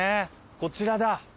こちらだ。